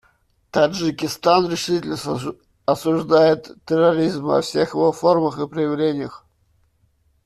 Таджикистан решительно осуждает терроризм во всех его формах и проявлениях.